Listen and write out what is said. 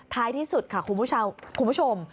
ท้ายที่สุดค่ะคุณผู้ชม